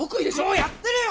もうやってるよ！